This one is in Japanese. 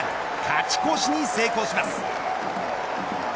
勝ち越しに成功します。